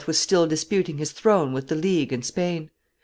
was still disputing his throne with the League and Spain.